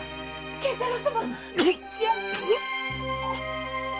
源太郎様！